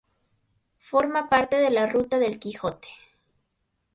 Forma parte de la Ruta del Quijote.